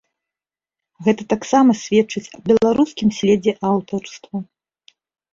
Гэта таксама сведчыць аб беларускім следзе аўтарства.